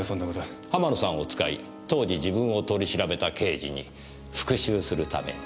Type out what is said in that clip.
浜野さんを使い当時自分を取り調べた刑事に復讐するために。